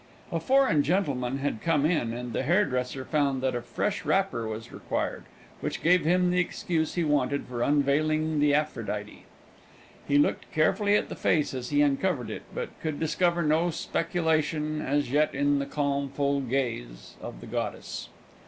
A foreign gentleman had come in, and the hairdresser found that a fresh wrapper was required, which gave him the excuse he wanted for unveiling the Aphrodite. He looked carefully at the face as he uncovered it, but could discover no speculation as yet in the calm, full gaze of the goddess.